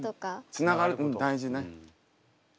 つながるうん大事ね。